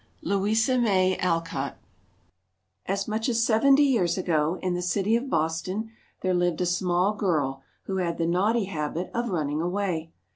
LOUISA MAY ALCOTT As much as seventy years ago, in the city of Boston, there lived a small girl who had the naughty habit of running away.